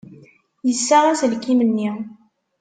Yessaɣ aselkim-nni.